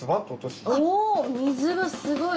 おお水がすごい。